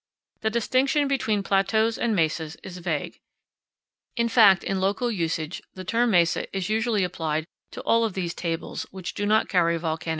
The distinction between plateaus and mesas is vague; in fact, in local usage the term mesa is usually applied to all of these tables which do not carry volcanic moun powell canyons 23.